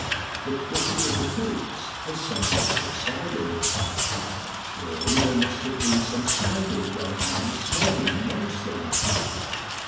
The clicking of the coots has some what subsided. Surely there must have been some scandal going on this morning amongst them.